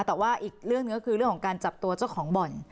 แต่ว่าอีกเรื่องหนึ่งก็คือเรื่องของการจับตัวเจ้าของบ่อน